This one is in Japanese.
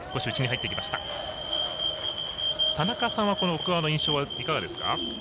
田中さんは奥川の印象いかがですか。